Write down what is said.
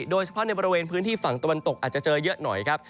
โดยเฉพาะในบริเวณพื้นที่ฝั่งตะวันตกอาจจะเจอเยอะหน่อยครับ